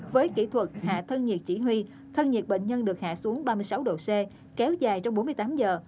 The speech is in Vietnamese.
với kỹ thuật hạ thân nhiệt chỉ huy thân nhiệt bệnh nhân được hạ xuống ba mươi sáu độ c kéo dài trong bốn mươi tám giờ